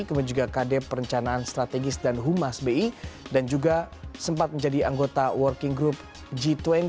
kemudian juga kade perencanaan strategis dan humas bi dan juga sempat menjadi anggota working group g dua puluh